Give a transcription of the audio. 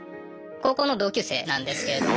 高校の同級生なんですけれども。